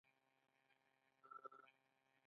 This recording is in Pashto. پکورې له بوی نه وپیژندل شي